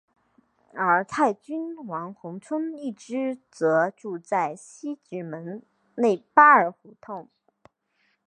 而泰郡王弘春一支则住在西直门内扒儿胡同。